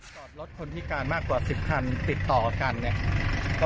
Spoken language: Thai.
จอดรถคนพิการมากกว่า๑๐๐๐๐ติดต่อกันเนี่ย